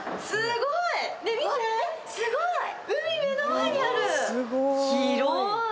すごーい！